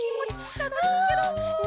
たのしいケロ！ね！